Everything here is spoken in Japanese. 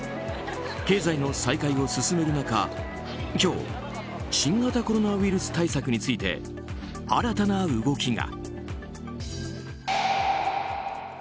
経済の再開を進める中今日新型コロナウイルス対策について新たな動きが。